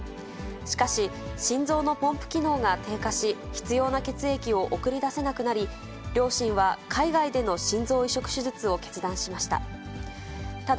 しかし、心臓のポンプ機能が低下し、必要な血液を送り出せなくなり、両親は海外での心臓移植手術を決断しました。